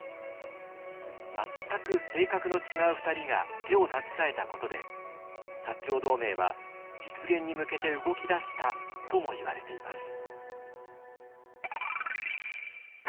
全く性格の違う２人が手を携えたことで長同盟は実現に向けて動き出したともいわれています。